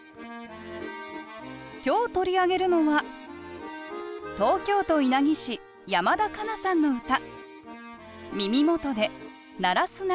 今日取り上げるのは東京都稲城市山田香那さんの歌